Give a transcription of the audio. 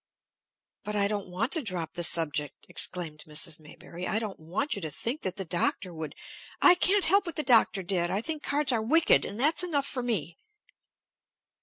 "But I don't want to drop the subject!" exclaimed Mrs. Maybury. "I don't want you to think that the Doctor would " "I can't help what the Doctor did. I think cards are wicked! And that's enough for me!"